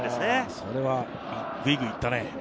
それはグイグイ行ったね。